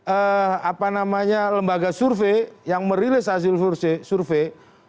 apa namanya lembaga survei yang merilis hasil survei